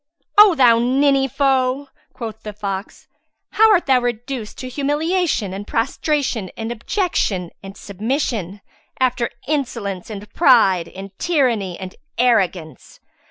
"O thou ninny foe," quoth the fox, "how art thou reduced to humiliation and prostration and abjection and submission, after insolence and pride and tyranny and arrogance!